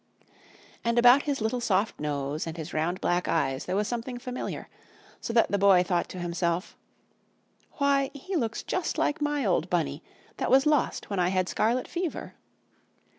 And about his little soft nose and his round black eyes there was something familiar, so that the Boy thought to himself: "Why, he looks just like my old Bunny that was lost when I had scarlet fever!"